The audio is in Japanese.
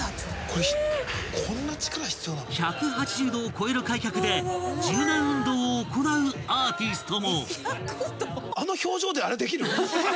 ［１８０度を超える開脚で柔軟運動を行うアーティストも］